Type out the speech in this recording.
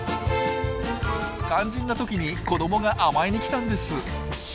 肝心な時に子どもが甘えに来たんです。